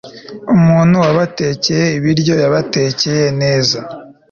umuntu wabatekeye ibiryo yabatekeye neza